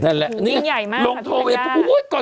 นี่ยิ่งใหญ่มากค่ะ